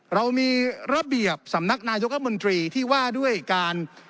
เรามีระเบียบสำนักนายกรัฐมนตรีที่ว่าด้วยการ